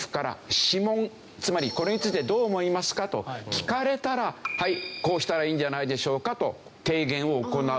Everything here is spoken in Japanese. つまりこれについてどう思いますか？と聞かれたらはいこうしたらいいんじゃないでしょうかと提言を行う。